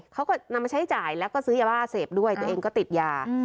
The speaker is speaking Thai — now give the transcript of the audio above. เขาก็นำมาใช้จ่ายแล้วก็ซื้อยาบ้าเสพด้วยตัวเองก็ติดยา